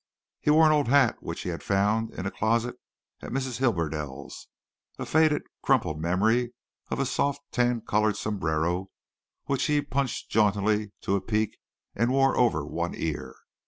He wore an old hat which he had found in a closet at Mrs. Hibberdell's, a faded, crumpled memory of a soft tan colored sombrero which he punched jauntily to a peak and wore over one ear.